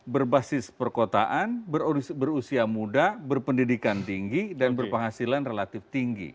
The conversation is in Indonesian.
berbasis perkotaan berusia muda berpendidikan tinggi dan berpenghasilan relatif tinggi